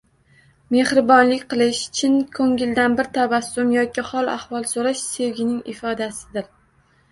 Mehribonlik qilish, chin ko‘ngildan bir tabassum yoki hol-ahvol so‘rash sevgining ifodasidir.